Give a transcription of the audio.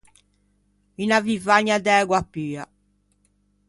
Unna vivagna d’ægua pua.